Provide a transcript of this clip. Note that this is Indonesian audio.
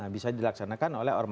bisa dilaksanakan oleh orban